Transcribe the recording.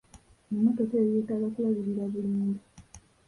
Emmotoka eyo yeetaaga kulabirira bulungi.